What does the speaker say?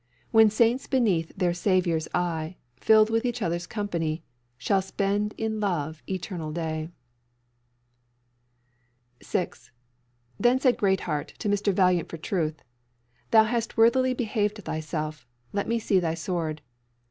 When saints beneath their Saviour's eye, Filled with each other's company, Shall spend in love the eternal day!" 6. Then said Greatheart to Mr. Valiant for truth, "Thou hast worthily behaved thyself; let me see thy sword."